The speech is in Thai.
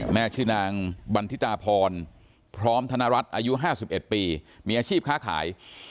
ชื่อนางบันทิตาพรพร้อมธนรัฐอายุ๕๑ปีมีอาชีพค้าขาย